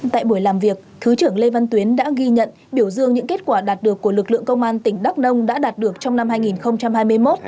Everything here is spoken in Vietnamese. tại buổi làm việc thứ trưởng lê văn tuyến đã ghi nhận biểu dương những kết quả đạt được của lực lượng công an tỉnh đắk nông đã đạt được trong năm hai nghìn hai mươi một